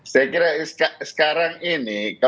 saya kira sekarang ini